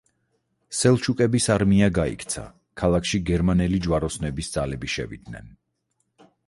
სელჩუკების არმია გაიქცა, ქალაქში გერმანელი ჯვაროსნების ძალები შევიდნენ.